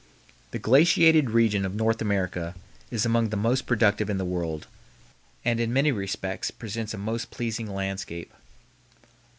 The glaciated region of North America is among the most productive in the world, and in many respects presents a most pleasing landscape.